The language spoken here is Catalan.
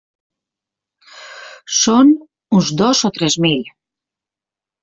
Són uns dos o tres mil.